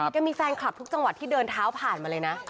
แกมีแฟนคลับทุกจังหวัดที่เดินเท้าผ่านมาเลยนะ